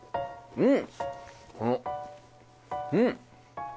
うん！